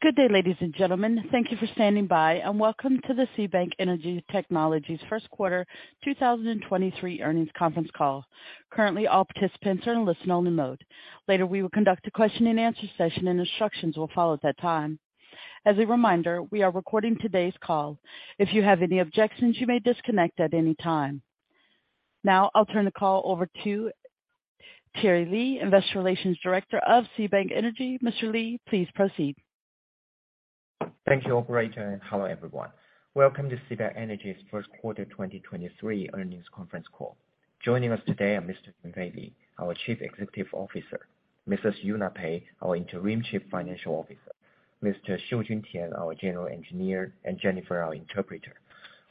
Good day, ladies and gentlemen. Thank you for standing by and welcome to the CBAK Energy Technology's first quarter 2023 earnings conference call. Currently, all participants are in listen only mode. Later, we will conduct a question-and-answer session, and instructions will follow at that time. As a reminder, we are recording today's call. If you have any objections, you may disconnect at any time. Now I'll turn the call over to Thierry Li, Investor Relations Director of CBAK Energy. Mr. Li, please proceed. Thank you, operator. Hello, everyone. Welcome to CBAK Energy's first quarter 2023 earnings conference call. Joining us today are Mr. Yunfei Li, our Chief Executive Officer, Ms. Xiangyu Pei, our Interim Chief Financial Officer. Mr. Xiujun Tian, our General Engineer, and Jennifer, our interpreter.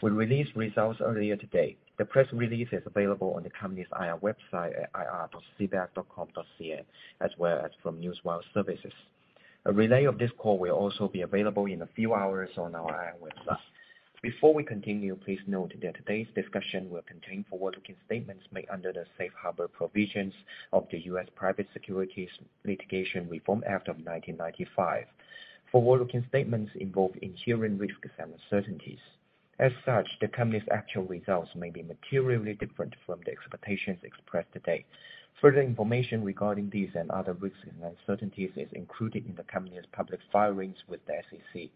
We released results earlier today. The press release is available on the company's IR website at ir.cbak.com.cn as well as from Newswire Services. A relay of this call will also be available in a few hours on our IR website. Before we continue, please note that today's discussion will contain forward-looking statements made under the Safe Harbor provisions of the U.S. Private Securities Litigation Reform Act of 1995. Forward-looking statements involve inherent risks and uncertainties. As such, the company's actual results may be materially different from the expectations expressed today. Further information regarding these and other risks and uncertainties is included in the company's public filings with the SEC.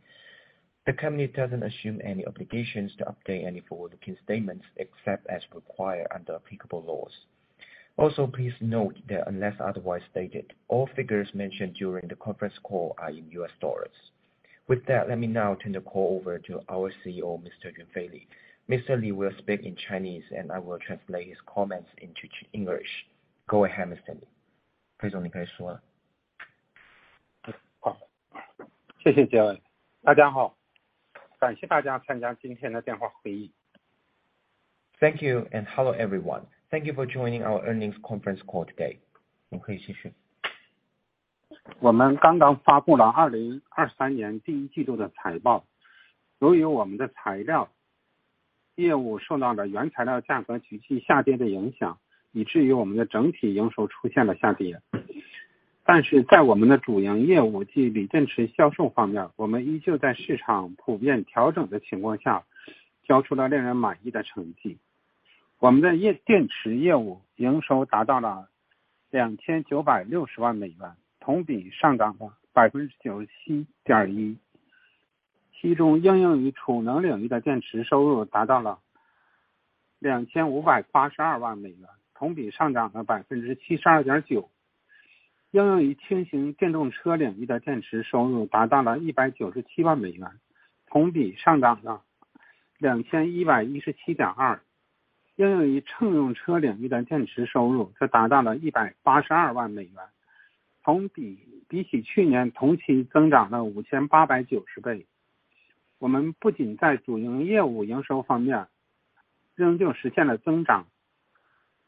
The company doesn't assume any obligations to update any forward-looking statements, except as required under applicable laws. Please note that unless otherwise stated, all figures mentioned during the conference call are in U.S. dollars. With that, let me now turn the call over to our CEO, Mr. Yunfei Li. Mr. Li will speak in Chinese and I will translate his comments into English. Go ahead, Mr. Li. Thank you, hello everyone. Thank you for joining our earnings conference call today.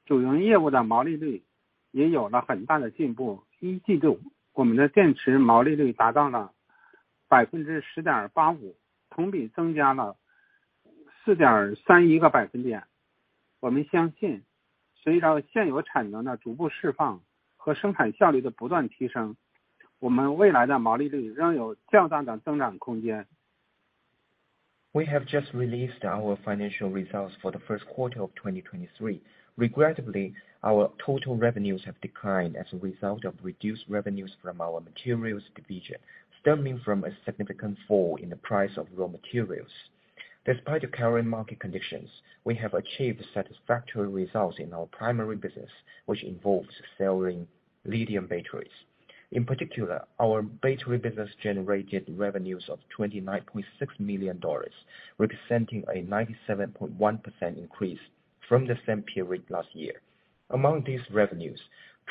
We have just released our financial results for the first quarter of 2023. Regrettably, our total revenues have declined as a result of reduced revenues from our materials division, stemming from a significant fall in the price of raw materials. Despite the current market conditions, we have achieved satisfactory results in our primary business, which involves selling lithium batteries. In particular, our battery business generated revenues of $29.6 million, representing a 97.1% increase from the same period last year. Among these revenues,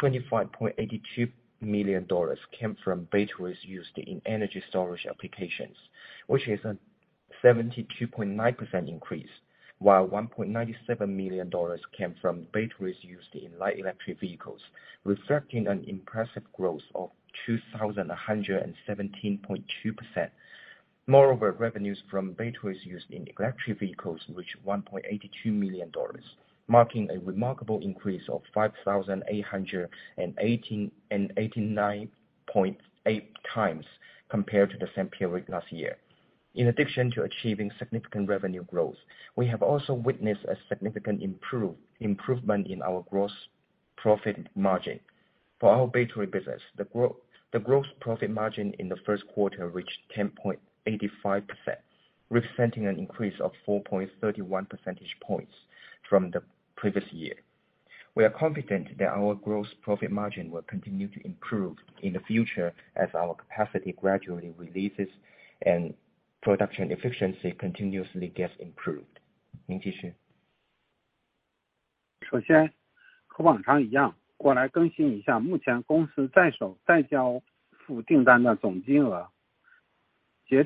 $25.82 million came from batteries used in energy storage applications, which is a 72.9% increase, while $1.97 million came from batteries used in light electric vehicles, reflecting an impressive growth of 2,117.2%. Moreover, revenues from batteries used in electric vehicles reached $1.82 million, marking a remarkable increase of 5,818 and 89.8 times compared to the same period last year. In addition to achieving significant revenue growth, we have also witnessed a significant improvement in our gross profit margin. For our battery business, the gross profit margin in the first quarter reached 10.85%, representing an increase of 4.31 percentage points from the previous year. We are confident that our gross profit margin will continue to improve in the future as our capacity gradually releases and production efficiency continuously gets improved. 这一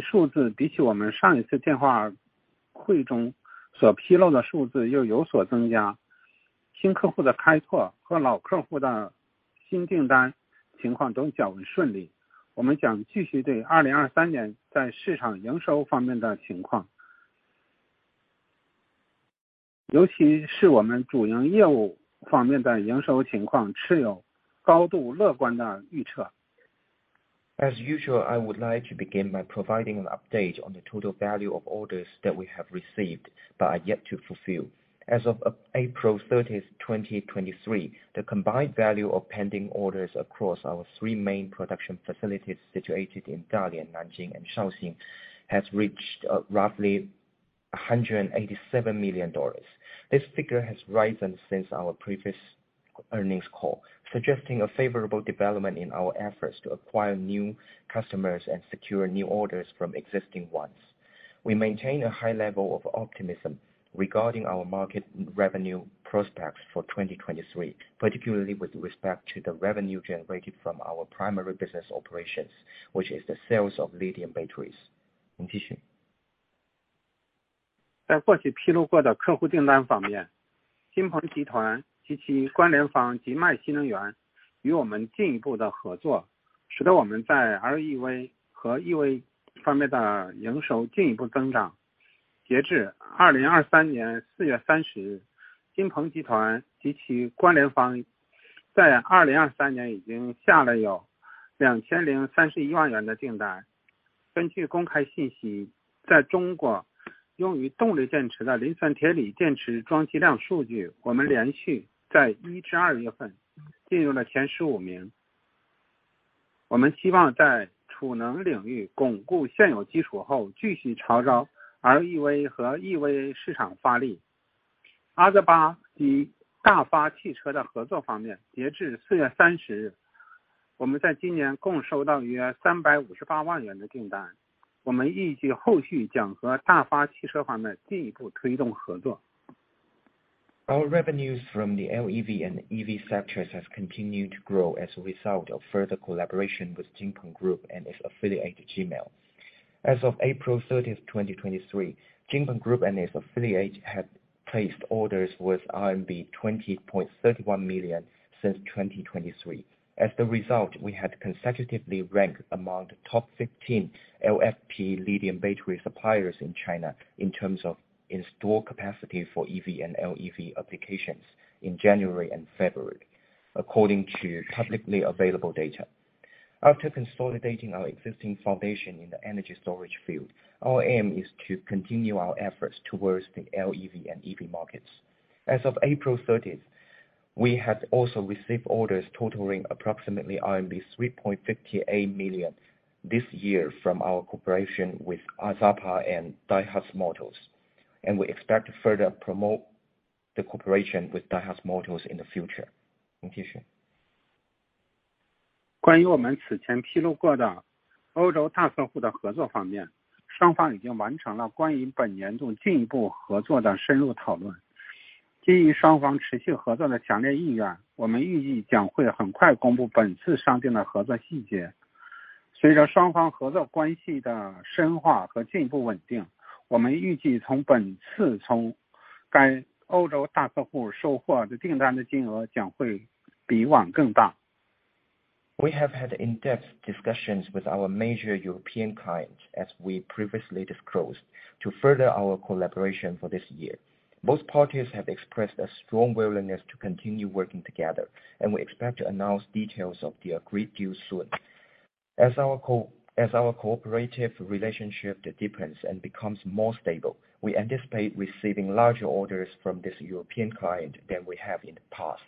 数字比起我们上一次电话会中所披露的数字又有所增加。新客户的开拓和老客户的新订单情况都较为顺利。我们将继续对2023年在市场营收方面的情况。尤其是我们主营业务方面的营收情况持有高度乐观的预测。As usual, I would like to begin by providing an update on the total value of orders that we have received but are yet to fulfill. As of April 30th, 2023, the combined value of pending orders across our three main production facilities situated in Dalian, Nanjing and Shaoxing has reached roughly $187 million. This figure has risen since our previous earnings call, suggesting a favorable development in our efforts to acquire new customers and secure new orders from existing ones. We maintain a high level of optimism regarding our market revenue prospects for 2023, particularly with respect to the revenue generated from our primary business operations, which is the sales of lithium batteries. 请继 续. 在过去披露过的客户订单方 面， 金鹏集团及其关联方吉麦新能源与我们进一步的合 作， 使得我们在 LEV 和 EV 方面的营收进一步增长。截至2023年4月30 日， 金鹏集团及其关联方在2023年已经下了有两千零三十一万元的订单。根据公开信 息， 在中国用于动力电池的磷酸铁锂电池装机量数 据， 我们连续在一至二月份进入了前十五名。我们希望在储能领域巩固现有基础 后， 继续朝着 LEV 和 EV 市场发力。阿之巴以及大发汽车的合作方 面， 截至4月30 日， 我们在今年共收到约三百五十八万元的订 单， 我们预计后续将和大发汽车方面进一步推动合作。Our revenues from the LEV and EV sectors has continued to grow as a result of further collaboration with Jinpeng Group and its affiliate Jemmell. As of April 30th, 2023, Jinpeng Group and its affiliates had placed orders worth RMB 20.31 million since 2023. As the result, we had consecutively ranked among the top 15 LFP lithium battery suppliers in China in terms of installed capacity for EV and LEV applications in January and February, according to publicly available data. After consolidating our existing foundation in the energy storage field, our aim is to continue our efforts towards the LEV and EV markets. As of April 30th, we had also received orders totaling approximately RMB 3.58 million this year from our cooperation with AZAPA and Daihatsu Motors. We expect to further promote the cooperation with Daihatsu Motors in the future. 请继 续. 关于我们此前披露过的欧洲大客户的合作方 面， 双方已经完成了关于本年度进一步合作的深入讨论。基于双方持续合作的强烈意 愿， 我们预计将会很快公布本次商定的合作细节。随着双方合作关系的深化和进一步稳 定， 我们预计从本次该欧洲大客户收货的订单的金额将会比往更大。We have had in-depth discussions with our major European clients as we previously disclosed to further our collaboration for this year. Both parties have expressed a strong willingness to continue working together and we expect to announce details of the agreed deal soon. As our cooperative relationship deepens and becomes more stable, we anticipate receiving larger orders from this European client than we have in the past.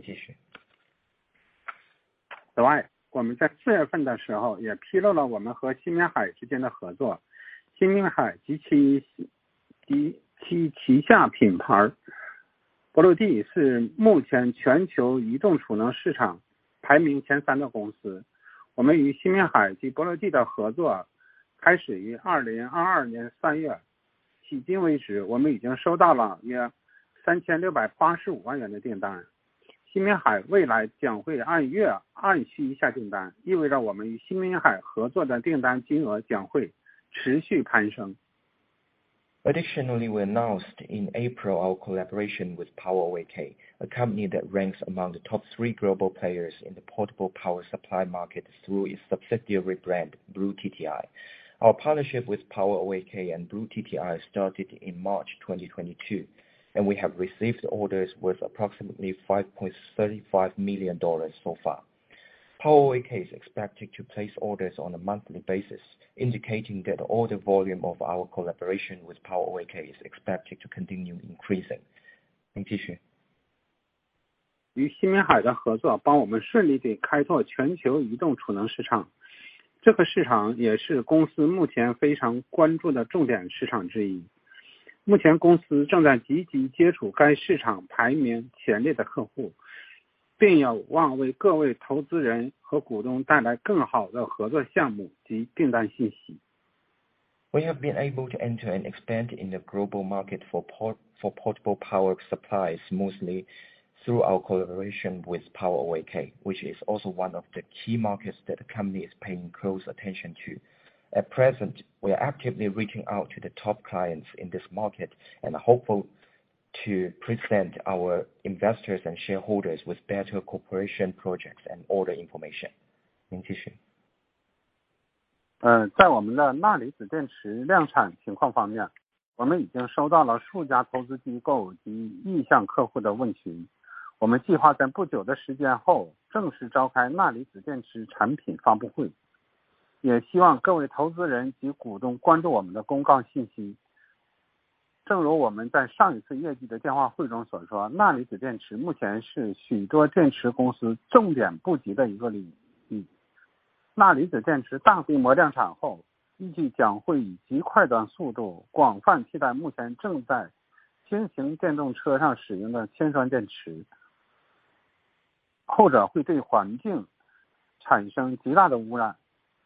请继 续. 此 外， 我们在四月份的时候也披露了我们和新明海之间的合作。新明海及其旗下品牌 BLUETTI 是目前全球移动储能市场排名前三的公司。我们与新明海及 BLUETTI 的合作开始于2022年3 月。迄今为 止， 我们已经收到了约 RMB 36.85 million 的订单。新明海未来将会按月按期下订 单， 意味着我们与新明海合作的订单金额将会持续攀升。Additionally, we announced in April our collaboration with PowerOak, a company that ranks among the top three global players in the portable power supply market through its subsidiary brand, BLUETTI. Our partnership with PowerOak and BLUETTI started in March 2022, and we have received orders worth approximately $5.35 million so far. PowerOak is expected to place orders on a monthly basis, indicating that order volume of our collaboration with PowerOak is expected to continue increasing. 请继续。与新明海的合作帮我们顺利地开拓全球移动储能市 场， 这个市场也是公司目前非常关注的重点市场之一。目前公司正在积极接触该市场排名前列的客 户， 并有望为各位投资人和股东带来更好的合作项目及订单信息。We have been able to enter and expand in the global market for portable power supplies, mostly through our collaboration with PowerOak, which is also one of the key markets that the company is paying close attention to. At present, we are actively reaching out to the top clients in this market and are hopeful to present our investors and shareholders with better cooperation projects and order information.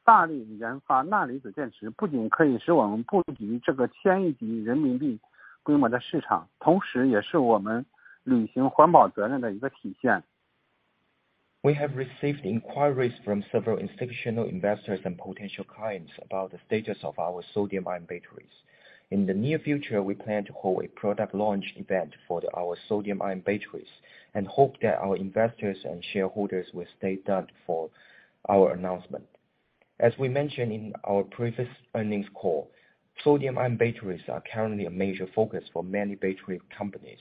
We have received inquiries from several institutional investors and potential clients about the status of our sodium-ion batteries. In the near future, we plan to hold a product launch event for our sodium-ion batteries and hope that our investors and shareholders will stay tuned for our announcement. As we mentioned in our previous earnings call, sodium-ion batteries are currently a major focus for many battery companies.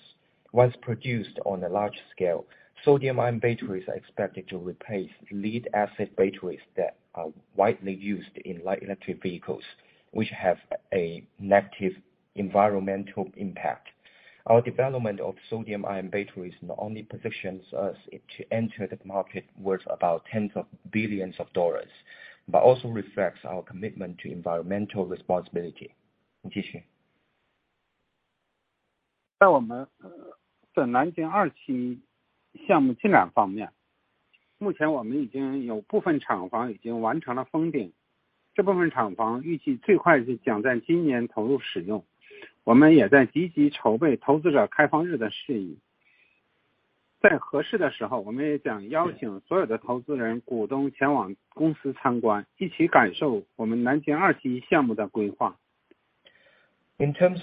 Once produced on a large scale, sodium-ion batteries are expected to replace lead-acid batteries that are widely used in light electric vehicles, which have a negative environmental impact. Our development of sodium-ion batteries not only positions us to enter the market worth about tens of billions of dollars, but also reflects our commitment to environmental responsibility. In terms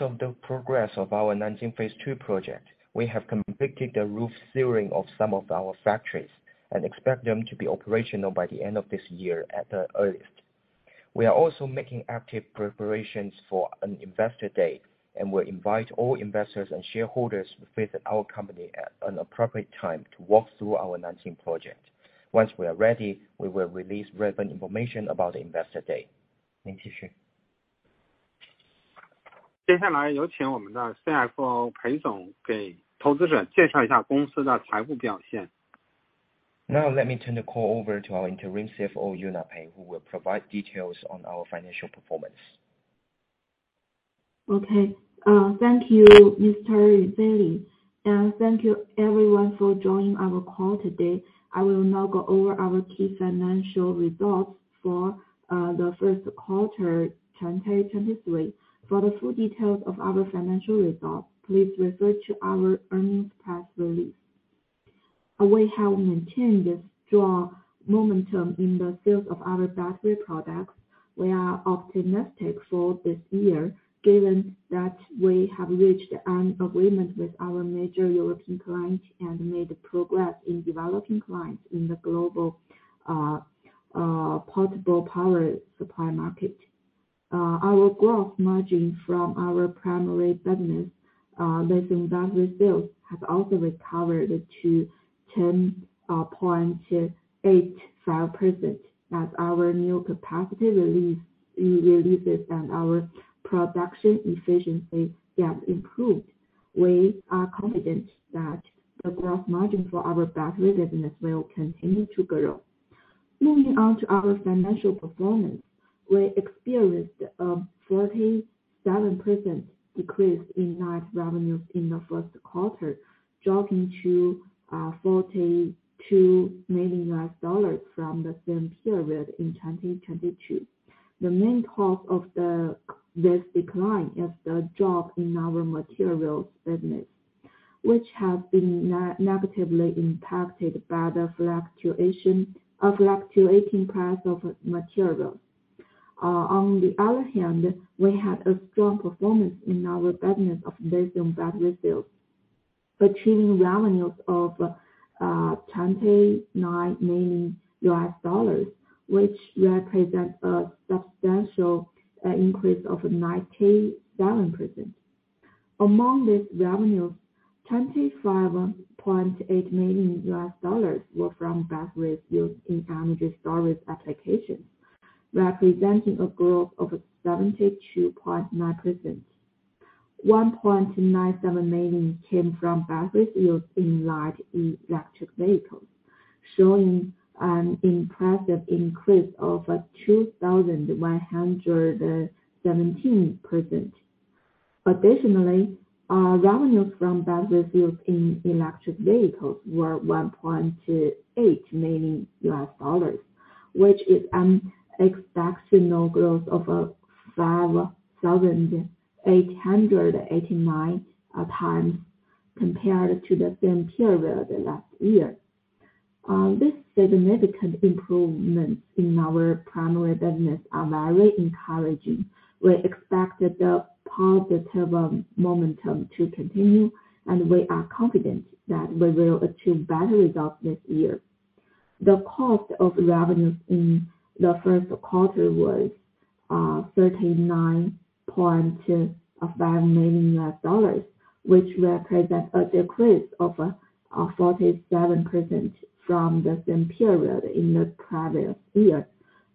of the progress of our Nanjing phase two project, we have completed the roof sealing of some of our factories and expect them to be operational by the end of this year at the earliest. We are also making active preparations for an investor day, and we invite all investors and shareholders to visit our company at an appropriate time to walk through our Nanjing project. Once we are ready, we will release relevant information about the investor day. Let me turn the call over to our Interim CFO, Xiangyu Pei, who will provide details on our financial performance. Okay. Thank you, Mr. Li. Thank you everyone for joining our call today. I will now go over our key financial results for the first quarter 2023. For the full details of our financial results, please refer to our earnings press release. We have maintained a strong momentum in the sales of our battery products. We are optimistic for this year, given that we have reached an agreement with our major European client and made progress in developing clients in the global portable power supply market. Our growth margin from our primary business, lithium battery sales, has also recovered to 10.85% as our new capacity releases and our production efficiency have improved. We are confident that the growth margin for our battery business will continue to grow. Moving on to our financial performance. We experienced a 47% decrease in net revenue in the first quarter, dropping to $42 million from the same period in 2022. The main cause of this decline is the drop in our materials business, which has been negatively impacted by fluctuating price of materials. On the other hand, we had a strong performance in our business of lithium battery sales, achieving revenues of $29 million, which represent a substantial increase of 97%. Among this revenue, $25.8 million were from batteries used in energy storage applications, representing a growth of 72.9%. $1.97 million came from batteries used in light electric vehicles, showing an impressive increase of 2,117%. Our revenues from battery used in electric vehicles were $1.28 million, which is an exceptional growth of 5,889 times compared to the same period last year. This significant improvements in our primary business are very encouraging. We expect that the positive momentum to continue, and we are confident that we will achieve better results this year. The cost of revenues in the first quarter was $39.25 million, which represent a decrease of 47% from the same period in the previous year.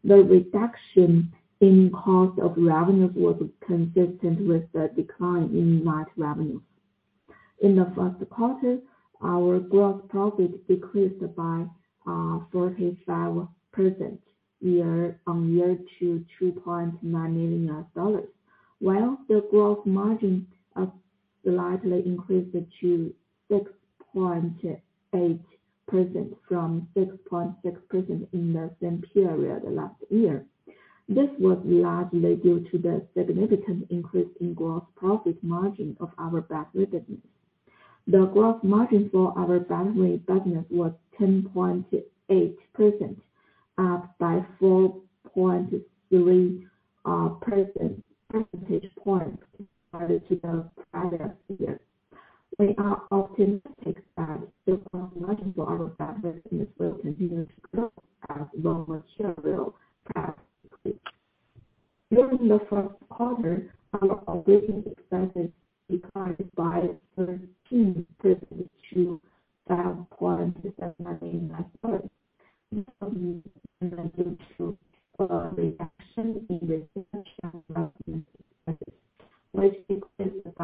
The reduction in cost of revenues was consistent with the decline in net revenues. In the first quarter, our gross profit decreased by 45% year-on-year to $2.9 million, while the growth margin slightly increased to 6.8% from 6.6% in the same period last year. This was largely due to the significant increase in gross profit margin of our battery business. The growth margin for our battery business was 10.8%, up by 4.3 percentage points compared to the prior year. We are optimistic that the gross margin for our battery business will continue to grow as lower share will participate. During the first quarter, our operating expenses declined by 13% to $5.7 million, mainly due to a reduction in research and development expenses, which decreased by 75.9% to $2.6 million. Sales and marketing expenses decreased by 13% to $0.7 million. However, our general and administrative expenses slightly increased by 5% to $3.48 million. In the first quarter, we reported a net profit of $2.88 million, which was increased by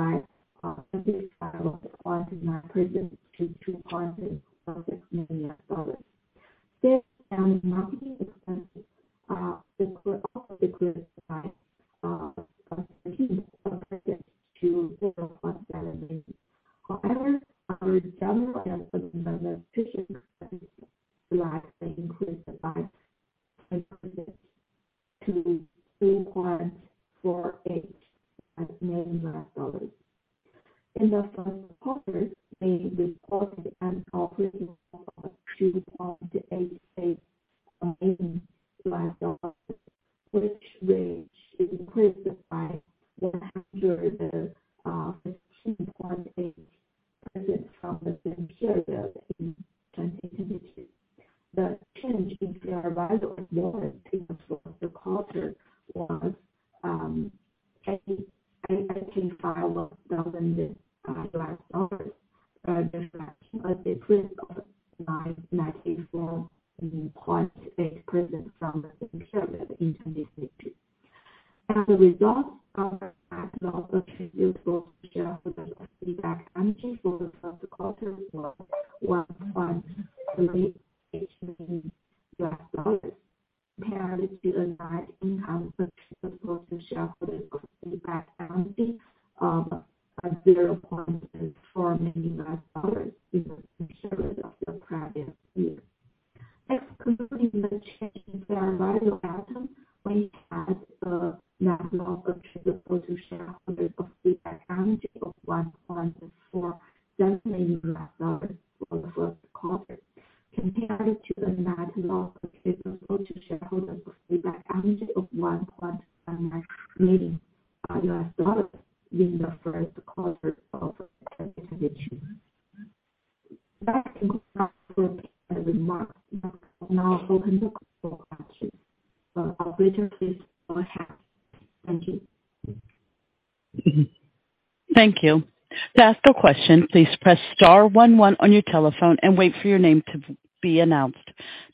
please press star one one on your telephone and wait for your name to be announced.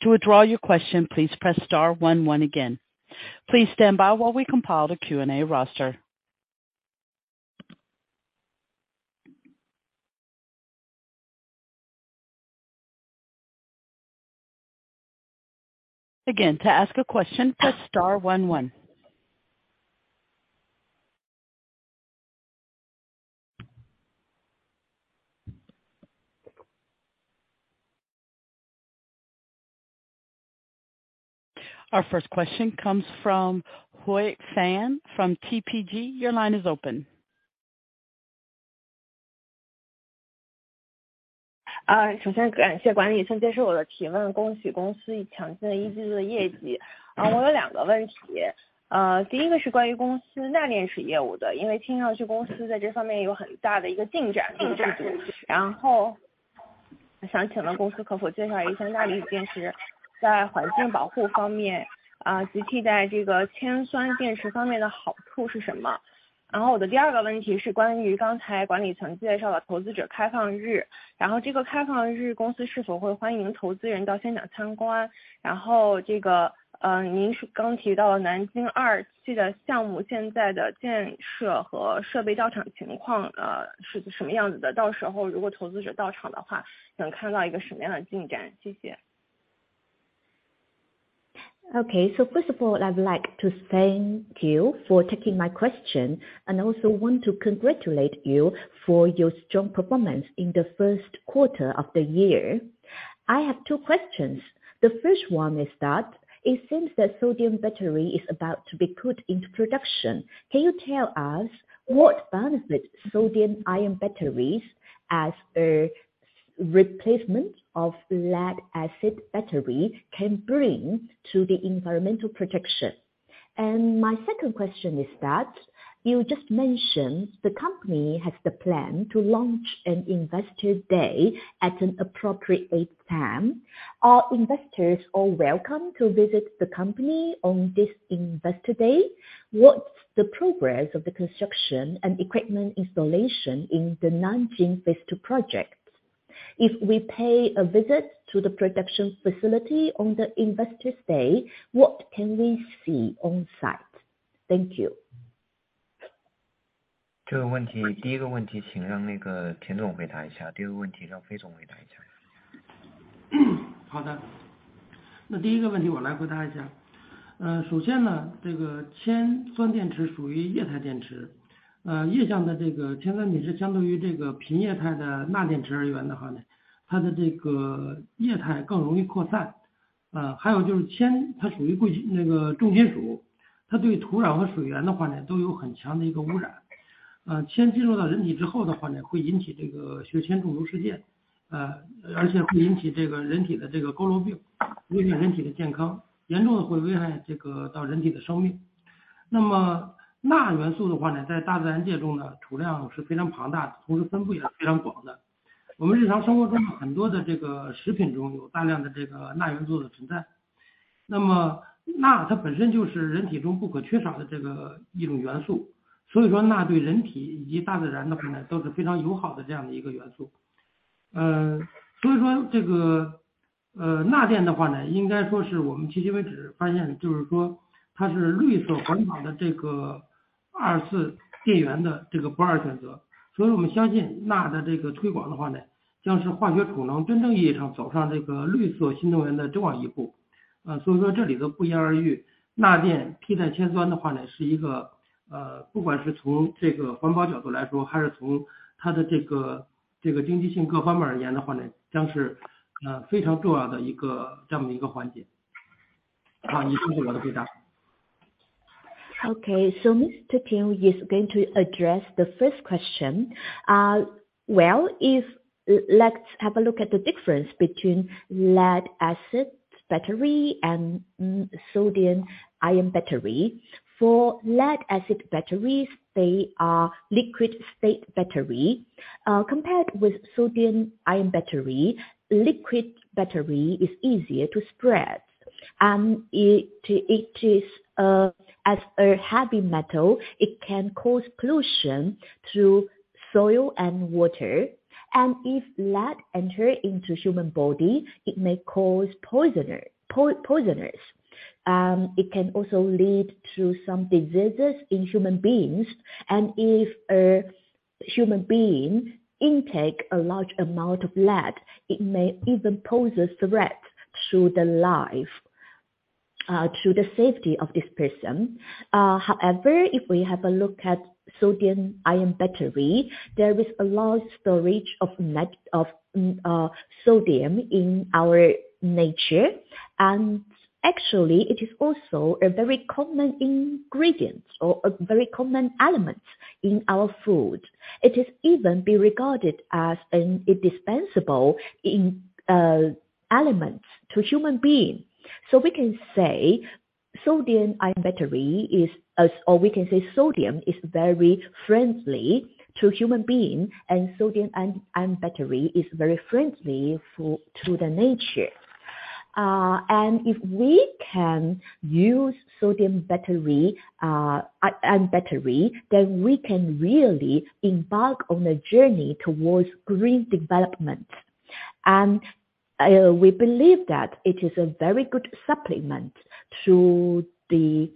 To withdraw your question, please press star one one again. Please stand by while we compile the Q&A roster. Again, to ask a question, press star one one. Our first question comes from Hui Fan from TPG. Your line is open. Uh, First of all, I'd like to thank you for taking my question and I also want to congratulate you for your strong performance in the first quarter of the year. I have 2 questions. The first one is that it seems that sodium-ion battery is about to be put into production. Can you tell us what benefits sodium-ion batteries as a replacement of lead-acid batteries can bring to the environmental protection? My second question is that you just mentioned the company has the plan to launch an investor day at an appropriate time. Are investors all welcome to visit the company on this investor day? What's the progress of the construction and equipment installation in the Nanjing phase 2 project? If we pay a visit to the production facility on the investor day, what can we see on site? Thank you. 这个问 题， 第一个问题请让那个田总回答一 下， 第二个问题让费总回答一下。好 的， 那第一个问题我来回答一下。呃， 首先 呢， 这个铅酸电池属于液态电池， 呃， 液态的这个铅酸电池相对于这个瓶液态的钠电池而言的话 呢， 它的这个液态更容易扩散。呃， 还有就是铅它属于 贵， 那个重金 属， 它对土壤和水源的话 呢， 都有很强的一个污染。呃， 铅进入到人体之后的话 呢， 会引起这个血铅中毒事 件， 呃， 而且会引起这个人体的这个佝偻 病， 影响人体的健 康， 严重的会危害这 个， 到人体的生命。那么钠元素的话 呢， 在大自然界中 呢， 储量是非常庞大 的， 同时分布也非常广的。我们日常生活中很多的这个食品中有大量的这个钠元素的存 在， 那么钠它本身就是人体中不可缺少的这个一种元 素， 所以说钠对人体以及大自然的话 呢， 都是非常友好的这样一个元素。呃， 所以说这 个， 呃， 钠电的话 呢， 应该说是我们迄今为止发现的就是说它是绿色环保的这个二次电源的这个不二选择。所以我们相信钠的这个推广的话 呢， 将是化学储能真正意义上走上这个绿色新动能的征程一步。呃， 所以说这里头不言而 喻， 钠电替代铅酸的话 呢， 是一 个， 呃， 不管是从这个环保角度来 说， 还是从它的这 个， 这个经济性各方面而言的话 呢， 将 是， 呃， 非常重要的一个这么一个环节。好， 以上就是我的回答。Okay. Mr. Tian is going to address the first question. If let's have a look at the difference between lead-acid battery and sodium-ion battery. For lead-acid batteries, they are liquid state battery. Compared with sodium-ion battery, liquid battery is easier to spread, and it is as a heavy metal, it can cause pollution through soil and water. If lead enter into human body, it may cause poisoners. It can also lead to some diseases in human beings. If a human being intake a large amount of lead, it may even pose a threat to the life, to the safety of this person. However, if we have a look at sodium-ion battery, there is a large storage of sodium in our nature. Actually it is also a very common ingredient or a very common element in our food. It is even be regarded as an indispensable elements to human being. We can say sodium-ion battery is as or we can say sodium is very friendly to human being and sodium-ion battery is very friendly for to the nature. If we can use sodium-ion battery, then we can really embark on a journey towards green development. We believe that it is a very good supplement to the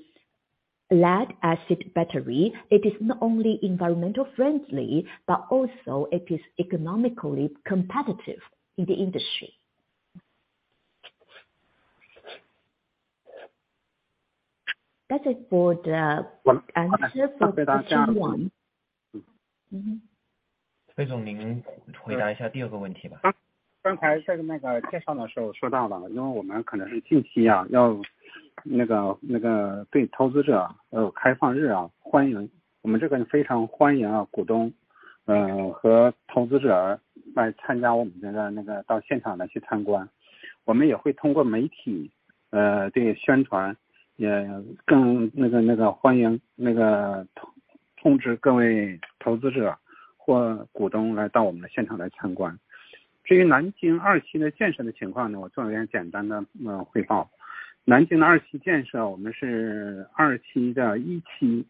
lead-acid battery. It is not only environmental friendly, but also it is economically competitive in the industry. That's it for the answer for the first one. 费 总， 您回答一下第二个问题吧。刚才在那个介绍的时候说到 了， 因为我们可能是近期 啊， 要那 个， 那个对投资者 呃， 开放日 啊， 欢 迎， 我们这边非常欢迎 啊， 股东 嗯， 和投资者来参加我们这 个， 那个到现场来去参观。我们也会通过媒 体， 呃， 这个宣 传， 也更那 个， 那个欢迎那 个， 通-通知各位投资者或股东来到我们的现场来参观。至于南京二期的建设的情况 呢， 我做一点简单的汇报。南京的二期建设我们是二期的一 期，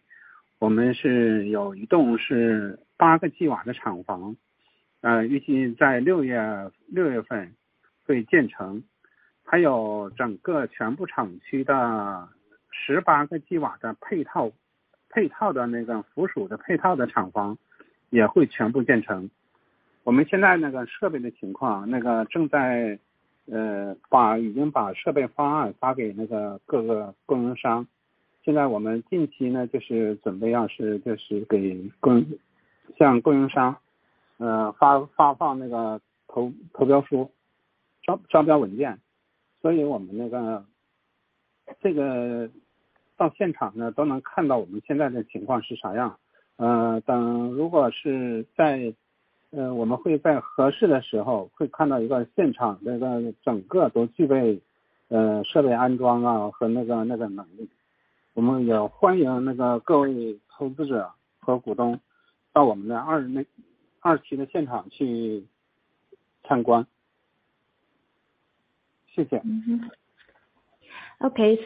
我们是有一栋是八个 G 瓦的厂 房， 呃， 预计在六 月， 六月份会建成。还有整个全部厂区的18 GW 的配 套， 配套的那个附属的配套的厂房也会全部建成。我们现在那个设备的情 况， 那个正在把已经把设备方案发给那个各个供应 商， 现在我们近期 呢， 就是准备要是就是给 供， 向供应商发放那个投标 书， 招标文件。我们那 个， 这个到现场呢都能看到我们现在的情况是啥 样， 等如果是 在， 我们会在合适的时候会看到一个现 场， 那个整个都具备设备安装啊和那 个， 那个能力。我们也欢迎那个各位投资者和股东到我们的 second floor， second phase 的现场去参观。谢谢。Okay.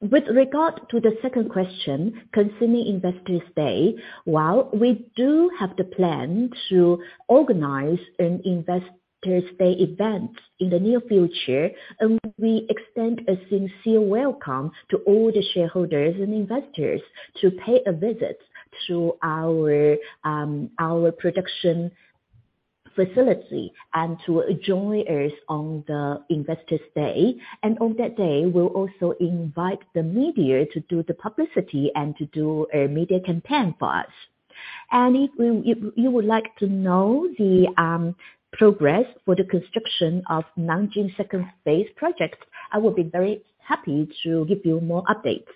With regard to the second question concerning Investors Day, well, we do have the plan to organize an Investors Day event in the near future, and we extend a sincere welcome to all the shareholders and investors to pay a visit to our production facility and to join us on the Investors Day. On that day, we'll also invite the media to do the publicity and to do a media campaign for us. If you would like to know the progress for the construction of Nanjing second phase project, I will be very happy to give you more update.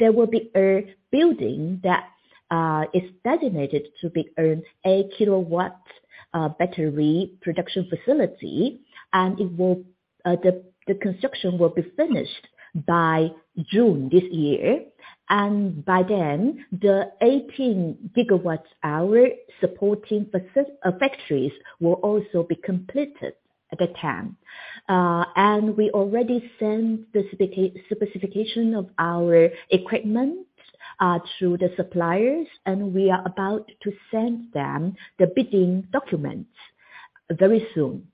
There will be a building that is designated to be an eight kilowatt battery production facility, and the construction will be finished by June this year. By then, the 18 gigawatt-hour supporting factories will also be completed at the time. We already sent specification of our equipment to the suppliers, and we are about to send them the bidding documents very soon.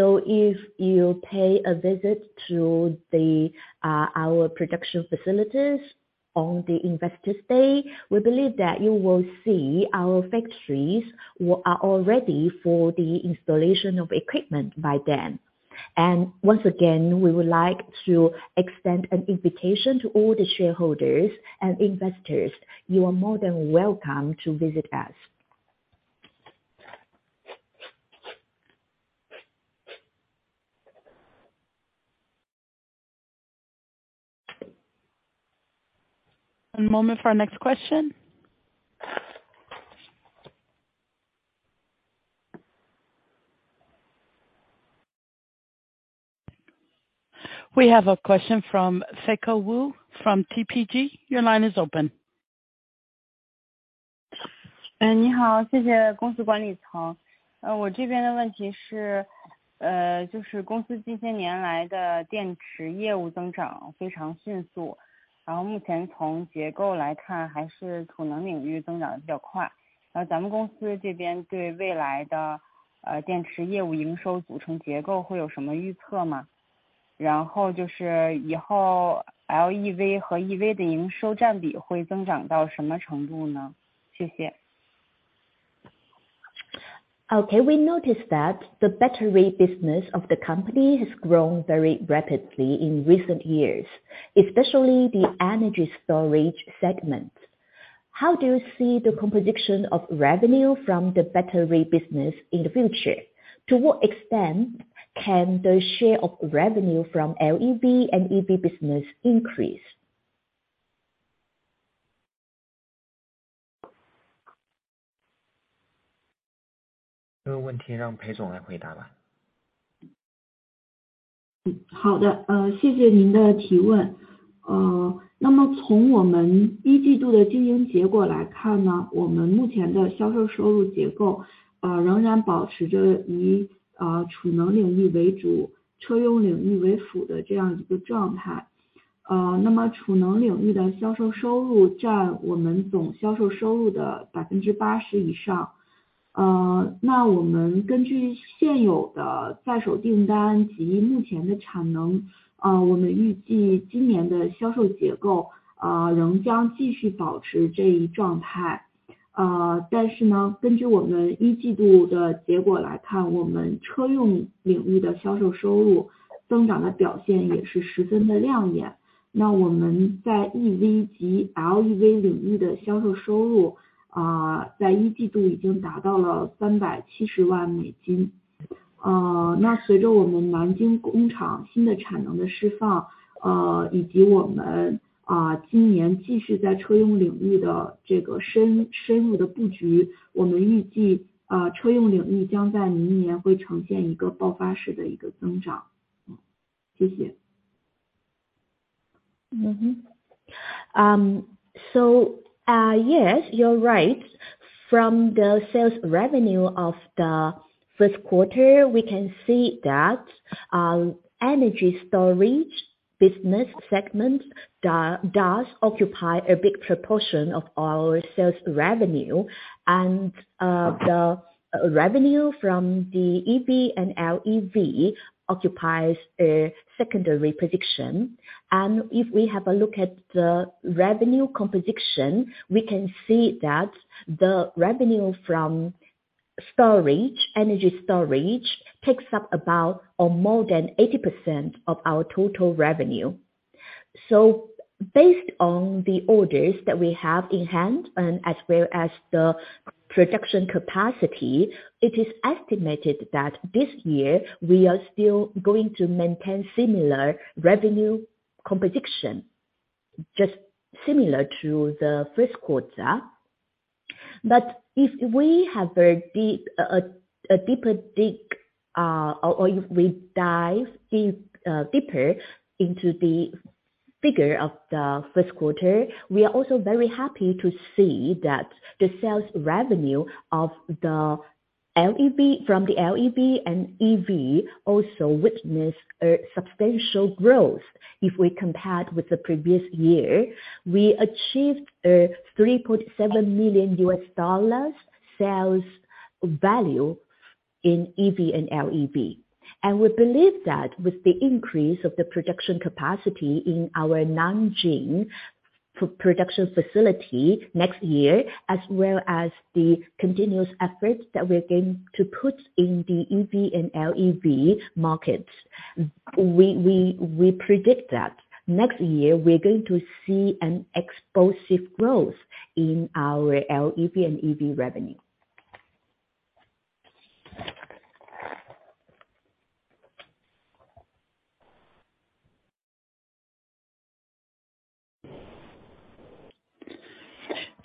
If you pay a visit to our production facilities on the Investors Day, we believe that you will see our factories are all ready for the installation of equipment by then. Once again, we would like to extend an invitation to all the shareholders and investors. You are more than welcome to visit us. One moment for our next question. We have a question from Feko Wu from TPG. Your line is open. 呃， 你 好， 谢谢公司管理层。呃， 我这边的问题 是， 呃， 就是公司近些年来的电池业务增长非常迅 速， 然后目前从结构来看还是储能领域增长得比较 快， 那咱们公司这边对未来 的， 呃， 电池业务营收组成结构会有什么预测 吗？ 然后就是以后 LEV 和 EV 的营收占比会增长到什么程度 呢？ 谢谢。Okay. We notice that the battery business of the company has grown very rapidly in recent years, especially the energy storage segment. How do you see the composition of revenue from the battery business in the future? To what extent can the share of revenue from LEV and EV business increase? 这个问题让裴总来回答吧。嗯， 好 的， 呃， 谢谢您的提问。呃， 那么从我们一季度的经营结果来看 呢， 我们目前的销售收入结 构， 呃， 仍然保持着以， 呃， 储能领域为 主， 车用领域为辅的这样一个状态。呃， 那么储能领域的销售收入占我们总销售收入的百分之八十以上。呃， 那我们根据现有的在手订单及目前的产 能， 呃， 我们预计今年的销售结 构， 呃， 仍将继续保持这一状态。呃， 但是 呢， 根据我们一季度的结果来 看， 我们车用领域的销售收入增长的表现也是十分的亮眼。那我们在 EV 及 LEV 领域的销售收 入， 啊， 在一季度已经达到了三百七十万美金。呃， 那随着我们南京工厂新的产能的释 放， 呃， 以及我 们， 啊， 今年继续在车用领域的这个深-深入的布 局， 我们预 计， 啊， 车用领域将在明年会呈现一个爆发式的一个增长。谢谢。Yes, you're right. From the sales revenue of the first quarter, we can see that energy storage business segment does occupy a big proportion of our sales revenue. The revenue from the EV and LEV occupies a secondary position. If we have a look at the revenue composition, we can see that the revenue from storage, energy storage takes up about or more than 80% of our total revenue. Based on the orders that we have in hand and as well as the production capacity, it is estimated that this year we are still going to maintain similar revenue composition, just similar to the first quarter. If we have a deep... A deeper dig, or if we dive deep, deeper into the figure of the first quarter, we are also very happy to see that the sales revenue of the LEV, from the LEV and EV also witnessed a substantial growth. If we compared with the previous year, we achieved a $3.7 million sales value in EV and LEV. We believe that with the increase of the production capacity in our Nanjing production facility next year, as well as the continuous efforts that we're going to put in the EV and LEV markets, we predict that next year we're going to see an explosive growth in our LEV and EV revenue.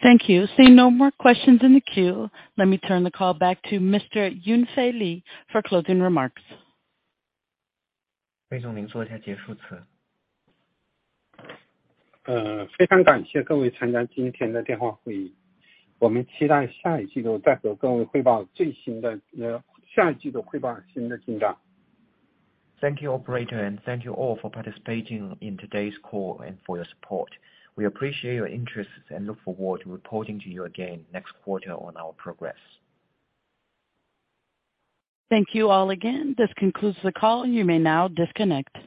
Thank you. Seeing no more questions in the queue, let me turn the call back to Mr. Yunfei Li for closing remarks. Thank you, operator, and thank you all for participating in today's call and for your support. We appreciate your interest and look forward to reporting to you again next quarter on our progress. Thank you all again. This concludes the call. You may now disconnect.